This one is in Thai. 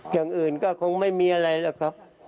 อย่างอื่นก็คงไม่มีอะไรหรอกครับ